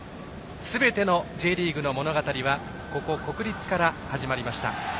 全てのＪリーグの物語はここ、国立から始まりました。